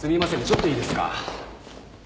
ちょっといいですか？